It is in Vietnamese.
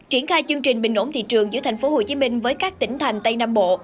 triển khai chương trình bình ổn thị trường giữa tp hcm với các tỉnh thành tây nam bộ